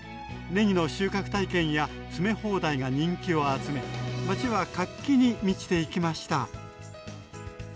ねぎの収穫体験や詰め放題が人気を集め町は活気に満ちていきました。